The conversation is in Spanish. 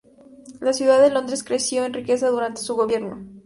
La ciudad de Londres creció en riqueza durante su gobierno.